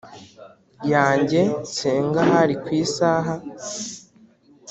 yanjye nsenga hari ku isaha